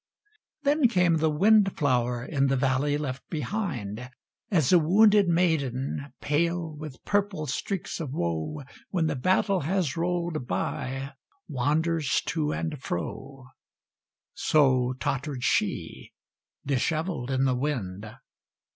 Then came the wind flower In the valley left behind, As a wounded maiden, pale With purple streaks of woe, When the battle has roll'd by Wanders to and fro, So tottered she, Dishevell'd in the wind.